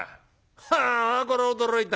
はあこれは驚いた。